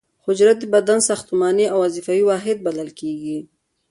حجره د بدن ساختماني او وظیفوي واحد بلل کیږي